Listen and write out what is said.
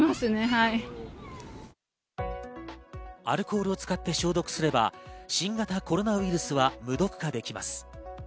アルコールを使って消毒すれば新型コロナウイルスは無毒化できます。